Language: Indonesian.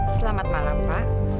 selamat malam pak